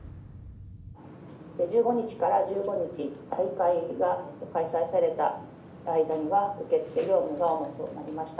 １５日から１５日大会が開催された間には受付業務が主となりました。